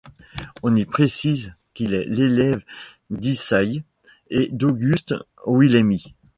On y précise qu'il est élève d'Ysaÿe et d'Auguste Wilhelmy.